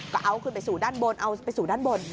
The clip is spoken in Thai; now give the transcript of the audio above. ก็เอาขึ้นไปสู่ด้านบนเอาไปสู่ด้านบน